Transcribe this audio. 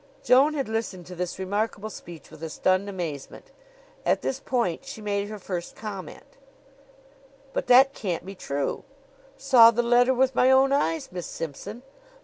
Joan had listened to this remarkable speech with a stunned amazement. At this point she made her first comment: "But that can't be true." "Saw the letter with my own eyes, Miss Simpson."